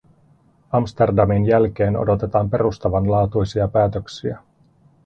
Amsterdamin jälkeen odotetaan perustavanlaatuisia päätöksiä.